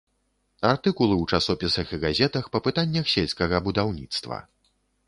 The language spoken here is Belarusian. Артыкулы ў часопісах і газетах па пытаннях сельскага будаўніцтва.